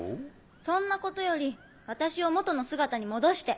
そんなことより私を元の姿に戻して。